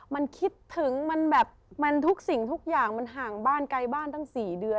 มันคิดถึงมันแบบมันทุกสิ่งทุกอย่างมันห่างบ้านไกลบ้านตั้ง๔เดือน